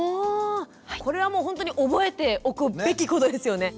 これはもうほんとに覚えておくべきことですよね。